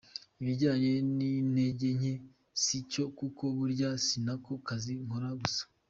Ikijyane n’intege nke si cyo kuko burya si nako kazi nkora gusa".